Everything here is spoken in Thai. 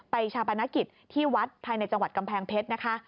ไปชาปนักฤทธิ์ที่วัดภายในจังหวัดกำแพงเพชร